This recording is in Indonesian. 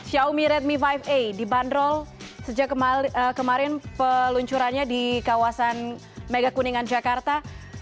xiaomi redmi lima a dibanderol sejak kemarin peluncurannya di kawasan megakuningan jakarta